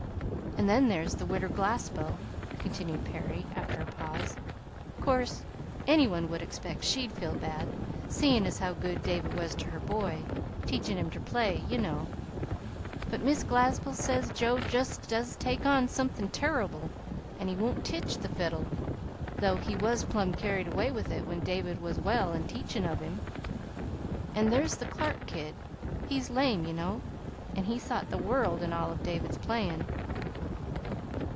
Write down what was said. "An' then there's the Widder Glaspell," continued Perry, after a pause. "'Course, any one would expect she'd feel bad, seein' as how good David was ter her boy teachin' him ter play, ye know. But Mis' Glaspell says Joe jest does take on somethin' turrible, an' he won't tech the fiddle, though he was plum carried away with it when David was well an' teachin' of him. An' there's the Clark kid. He's lame, ye know, an' he thought the world an' all of David's playin'.